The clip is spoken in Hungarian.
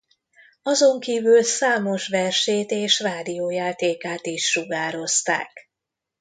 Azonkívül számos versét és rádiójátékát is sugározták.